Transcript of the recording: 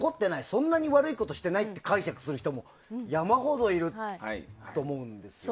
そんなに悪いことしてないって解釈する人も山ほどいると思うんですよ。